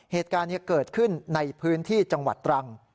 เหตุการณ์นี้เกิดขึ้นในพื้นที่จังหวัดตรัง